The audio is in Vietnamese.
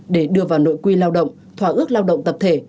để đưa vào nội quy lao động thỏa ước lao động tập thể